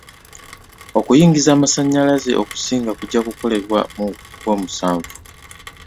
Okuyingiza amasannyalaze okusinga kujja kukolebwa mu gwomusanvu.